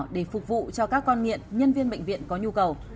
để phục vụ cho các con nghiện nhân viên bệnh viện có nhu cầu